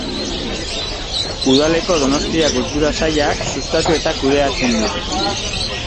Udaleko Donostia Kultura sailak sustatu eta kudeatzen du.